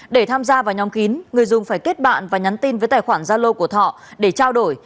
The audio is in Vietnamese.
để tham gia vào nhóm kín người dùng phải kết bạn và nhắn tin với tài khoản gia lô của thọ để trao đổi